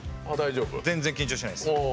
全然、緊張してないです。